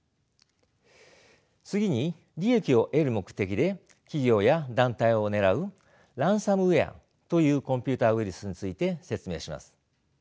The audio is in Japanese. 次に利益を得る目的で企業や団体を狙うランサムウェアというコンピューターウイルスについて説明します。